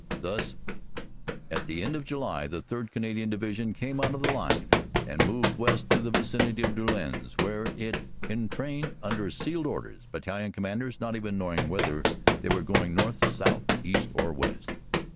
Thus at the end of July the 3rd. Canadian Division came out of the line and moved west to the vicinity of Doullens, where it entrained under sealed orders, battalion commanders even not knowing whether they were going north, south, east or west.